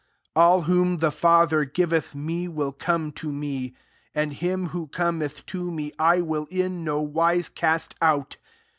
37 ••All whom the Father giv eth me, will come to me ; and him who cometh to me, I will in no wise cast out.